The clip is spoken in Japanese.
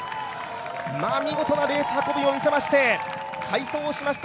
見事なレース運びを見せまして快走をしました